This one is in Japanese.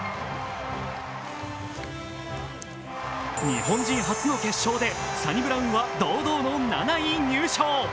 日本人初の決勝でサニブラウンは堂々の７位入賞。